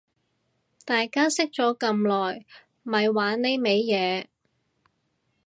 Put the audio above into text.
大家識咗咁耐咪玩呢味嘢